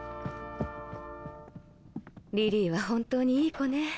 リリーは本当にいい子ね。